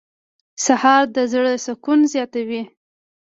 سهار د زړه سکون زیاتوي.